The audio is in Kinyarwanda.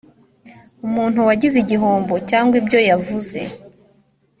umuntu wagize igihombo cyangwa ibyo yavuze